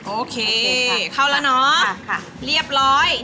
โอเคเข้าแล้วเนาะเรียบร้อย